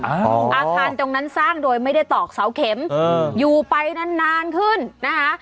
อาคารตรงนั้นสร้างโดยไม่ได้ตอกเสาเข็มอยู่ไปนานนานขึ้นนะคะ